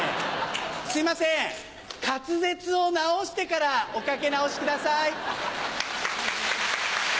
すいません滑舌を直してからおかけ直しください。